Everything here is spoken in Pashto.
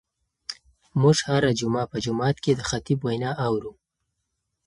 موږ هره جمعه په جومات کې د خطیب وینا اورو.